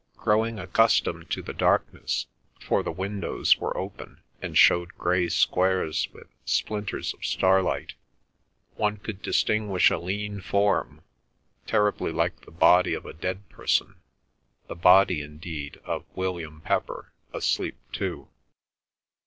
Growing accustomed to the darkness, for the windows were open and showed grey squares with splinters of starlight, one could distinguish a lean form, terribly like the body of a dead person, the body indeed of William Pepper, asleep too.